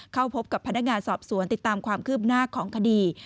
เข้าพบกับพนักงานสอบสวนติดตามความคืบหน้าของคดี